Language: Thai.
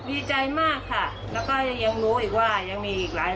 ดีใจมากค่ะแล้วก็ยังรู้อีกว่ายังมีอีกหลายคน